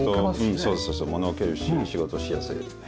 そうそうそうもの置けるし仕事しやすい。